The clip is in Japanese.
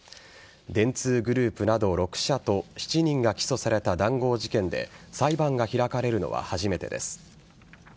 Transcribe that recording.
電通グループなど６社と７人が起訴された談合事件で裁判が開かれるのは初めてです。